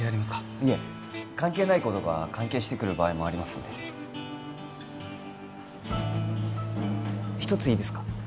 いえ関係ないことが関係してくる場合もありますので一ついいですか？